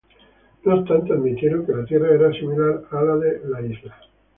No obstante, admitieron que la tierra era similar al de la isla.